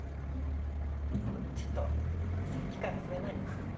ちょっとさっきからそれ何？